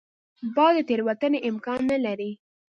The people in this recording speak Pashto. باز د تېروتنې امکان نه لري